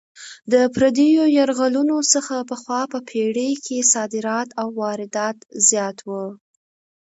د پردیو یرغلونو څخه پخوا په پېړۍ کې صادرات او واردات زیات وو.